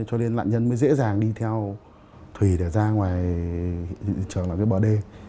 cho nên đạn nhân mới dễ dàng đi theo thủy để ra ngoài trường làm cái bờ đê